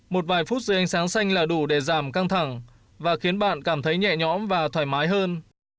một vài phút dưới ánh sáng xanh là đủ để giảm căng thẳng và khiến bạn cảm thấy nhẹ nhõm và thoải mái hơn